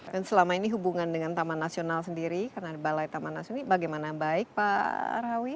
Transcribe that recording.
dan selama ini hubungan dengan taman nasional sendiri karena ada balai taman nasional ini bagaimana baik pak rawi